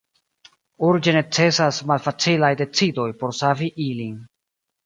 Urĝe necesas malfacilaj decidoj por savi ilin.